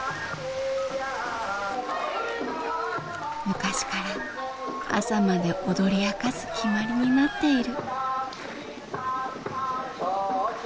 昔から朝まで踊り明かす決まりになっている。